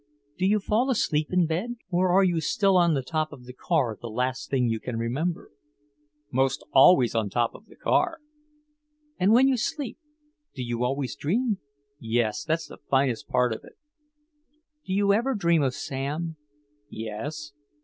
"Do you fall asleep in bed or are you still on the top of the car the last thing you can remember?" "Most always on the top of the car." "And when you sleep do you always dream?" "Yes that's the finest part of it." "Do you ever dream of Sam?" "Yes."